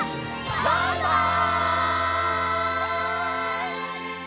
バイバイ！